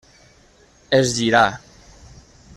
Es girà.